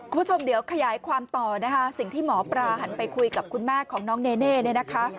คุณผู้ชมเดี๋ยวขยายความต่อนะคะสิ่งที่หมอปลาหันไปคุยกับคุณแม่ของน้องเนเน่เนี่ยนะคะ